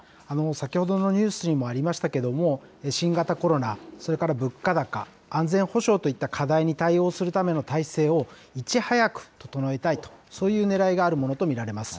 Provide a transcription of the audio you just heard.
先ほどのニュースにもありましたけれども、新型コロナ、それから物価高、安全保障といった課題に対応するための体制をいち早く整えたいと、そういうねらいがあるものと見られます。